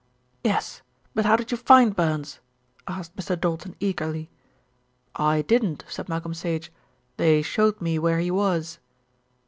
"Yes; but how did you find Burns?" asked Mr. Doulton eagerly. "I didn't," said Malcolm Sage. "They showed me where he was."